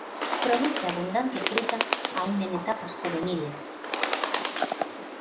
Produce abundante fruta aún en etapas juveniles.